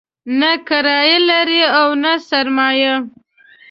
نه کرايه لري او نه سرمایه.